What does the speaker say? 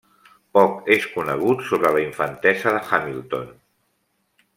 Poc és conegut sobre la infantesa de Hamilton.